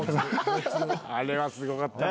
あれはすごかったな。